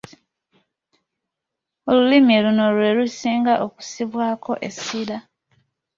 Olulimi luno lwe lusinga okussibwako essira.